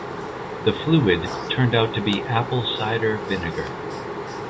The fluid turned out to be apple cider vinegar.